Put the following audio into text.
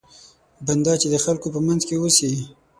بنده چې د خلکو په منځ کې اوسي.